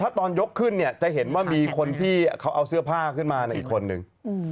ถ้าตอนยกขึ้นเนี่ยจะเห็นว่ามีคนที่เขาเอาเสื้อผ้าขึ้นมาอีกคนนึง